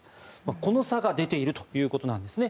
この差が出ているということなんですね。